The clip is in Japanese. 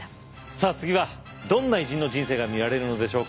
さあ次はどんな偉人の人生が見られるのでしょうか。